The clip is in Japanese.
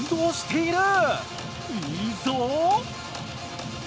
いいぞ！